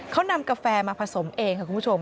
เขานำกาแฟมาผสมเองค่ะคุณผู้ชม